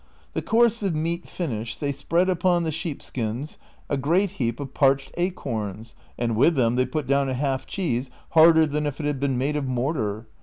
The course of meat finished, they spread upon the sheepskins a great heap of parched acorns, and with them they put doAvn a half cheese harder than if it had been made of mortar.